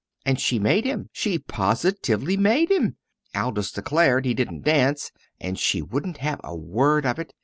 And she made him she positively made him. Aldous declared he didn't dance, and she wouldn't have a word of it.